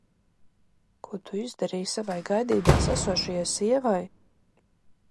Ko tu izdarīji savai gaidībās esošajai sievai?